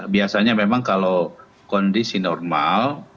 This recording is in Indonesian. biasanya memang kalau kondisi normal